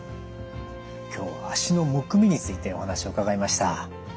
今日は脚のむくみについてお話を伺いました。